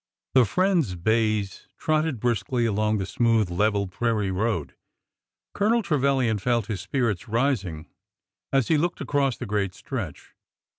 The friend's bays trotted briskly along the smooth, level prairie road. Colonel Trevilian felt his spirits rising as he looked across the great stretch.